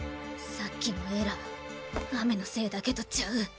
さっきのエラー雨のせいだけとちゃう。